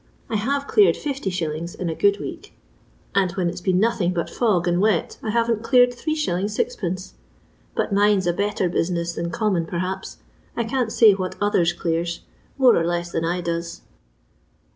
I have cleared 60s. in a good week ; and when it 's been nothing but fog and wet, I haven't cleared 8«. Qd. But mine 's a better business than com mon, perhaps. I can't say what others clears ; more and less than I does."